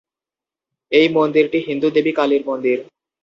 এই মন্দিরটি হিন্দু দেবী কালীর মন্দির।